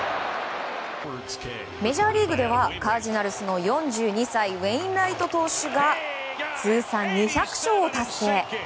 メジャーリーグではカージナルスの４２歳ウェインライト投手が通算２００勝を達成。